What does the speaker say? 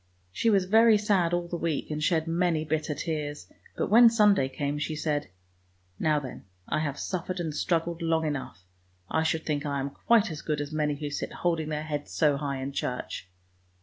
She was very sad all the week, and shed many bitter tears, but when Sunday came, she said, " Now then, I have suffered and struggled long enough; I should think I am quite as good as many who sit holding their heads so high in church!